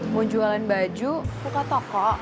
mau jualan baju buka toko